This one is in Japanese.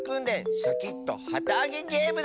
シャキットはたあげゲームだ！